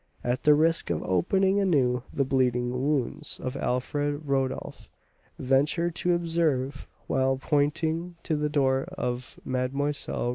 At the risk of opening anew the bleeding wounds of Alfred, Rodolph ventured to observe, while pointing to the door of Mlle.